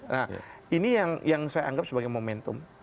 nah ini yang saya anggap sebagai momentum